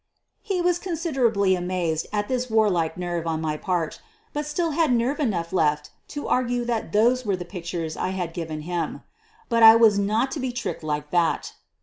He was considerably amazed at this warlike nerve on my part, but still had nerve enough left to argue that those were the pictures I had given him. But I was not to be tricked like that.